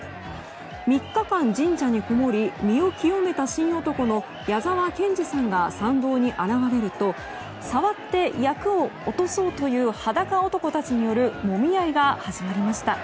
３日間神社にこもり身を清めた神男の矢澤謙二さんが現れると触って厄を落とそうという裸男たちによるもみ合いが始まりました。